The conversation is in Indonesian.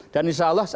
dan insya allah